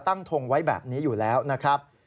ทงไว้แบบนี้อยู่แล้วนะครับ